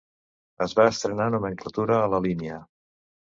Es va estrenar nomenclatura a la línia.